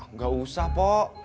nggak usah pok